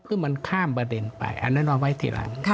เพื่อมันข้ามประเด็นไปอันนั้นเอาไว้ทีหลัง